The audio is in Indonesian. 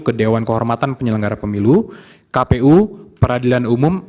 ke dewan kehormatan penyelenggara pemilu kpu peradilan umum